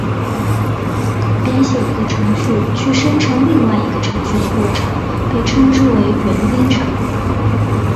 编写一个程序去生成另外一个程序的过程被称之为元编程。